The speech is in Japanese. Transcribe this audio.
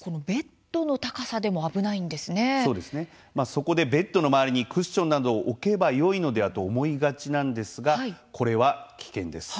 そこでベッドの周りにクッションなどを置けばよいのではと思いがちなんですがこれは危険です。